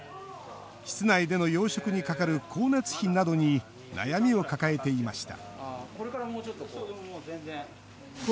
室内での養殖にかかる光熱費などに悩みを抱えていました